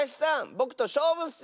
ぼくとしょうぶッス！